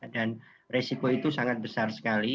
dan resiko itu sangat besar sekali